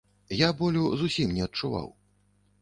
Я болю зусім не адчуваў.